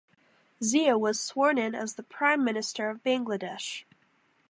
Zia was sworn in as the Prime Minister of Bangladesh.